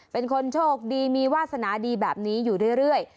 เป็นคนโชคดีมีวาสนาดีแบบนี้อยู่เรื่อย